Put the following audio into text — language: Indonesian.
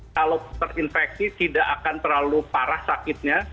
kalau terinfeksi tidak akan terlalu parah sakitnya